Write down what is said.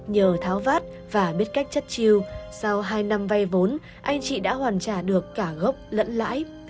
nhờ tháo vát và biết cách chất chiêu sau hai năm vay vốn anh chị đã hoàn trả được cả gốc lẫn lãi